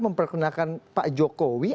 memperkenalkan pak jokowi